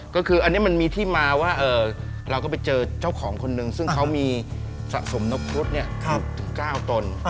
ก็คืออันนี้มันมีที่มาว่าเราก็ไปเจอเจ้าของคนหนึ่งซึ่งเขามีสะสมนกครุฑถึง๙ตน